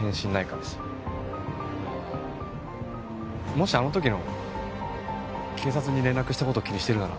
ああもしあの時の警察に連絡した事気にしてるなら。